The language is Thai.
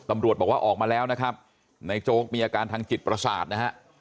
ตำรวจบอกว่าออกมาแล้วนะครับในโจ๊กมีอาการทางจิตประสาทนะฮะ